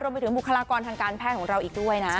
ไปถึงบุคลากรทางการแพทย์ของเราอีกด้วยนะ